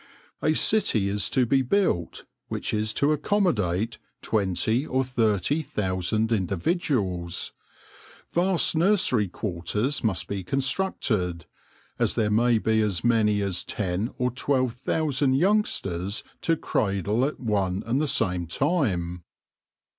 A city is to be built which is to accommodate twenty or thirty thousand individuals. Vast nur sery quarters must be constructed, as there may be as many as ten or twelve thousand youngsters to cradle at one and the same time.